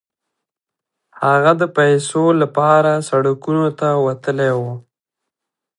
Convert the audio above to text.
هغه د پيسو لپاره سړکونو ته وتلی و.